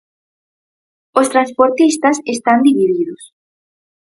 Os transportistas están divididos.